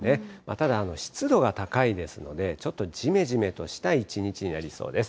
ただ、湿度が高いですので、ちょっとじめじめとした一日になりそうです。